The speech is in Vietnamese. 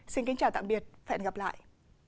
xin kính chào tạm biệt và hẹn gặp lại